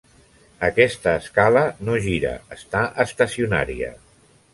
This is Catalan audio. Aquesta escala no gira, està estacionària.